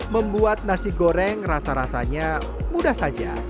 membuat nasi goreng rasa rasanya mudah saja